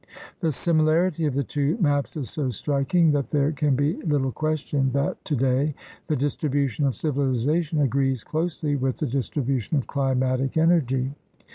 The similarity of the two maps is so striking that there can be little question that today the distribution of civilization agrees closely with the distribution of climatic energy.